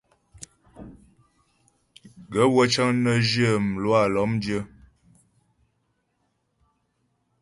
Gaə̂ wə́ cə́ŋ nə́ zhyə mlwâ lɔ́mdyə́.